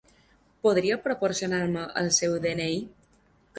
Podria proporcionar-me el seu de-ena-i?